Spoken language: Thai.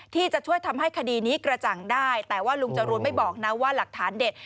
ที่จะช่วยทำให้คดีนี้กระจ่างได้แต่ว่าลุงจรูนไม่บอกนะว่าหลักฐานเด็ด